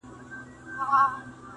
همېشه رڼې اوبه پکښي بهاندي -